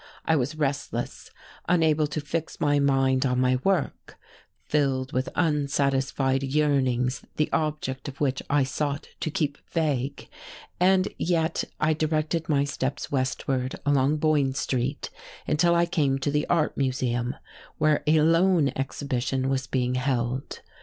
I was restless, unable to fix my mind on my work, filled with unsatisfied yearnings the object of which I sought to keep vague, and yet I directed my steps westward along Boyne Street until I came to the Art Museum, where a loan exhibition was being held.